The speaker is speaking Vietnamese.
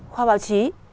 khoa báo chí